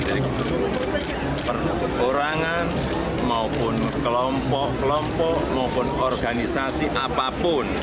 jadi perkurangan maupun kelompok kelompok maupun organisasi apapun